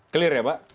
clear ya pak